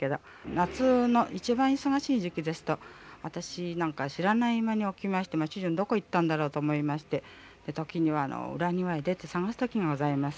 夏の一番忙しい時期ですと私なんか知らない間に起きまして主人どこ行ったんだろうと思いまして時には裏庭に出て捜す時がございます。